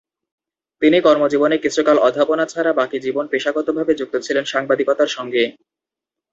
তিনি কর্মজীবনে কিছুকাল অধ্যাপনা ছাড়া বাকি জীবন পেশাগতভাবে যুক্ত ছিলেন সাংবাদিকতার সঙ্গে।